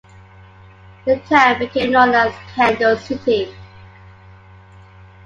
The town became known as Kendall's City.